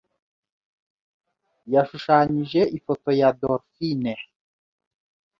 yashushanyije ifoto ya dolphine.